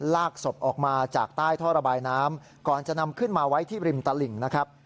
ลากศพออกมาจากใต้ท่อระบายน้ำก่อนจะนำขึ้นมาไว้ที่ริมตลิ่งนะครับ